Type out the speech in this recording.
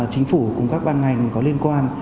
chính phủ cùng các ban ngành có liên quan